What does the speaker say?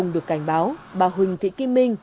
được cảnh báo bà huỳnh thị kim minh